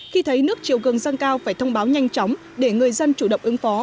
khi thấy nước chiều cường dâng cao phải thông báo nhanh chóng để người dân chủ động ứng phó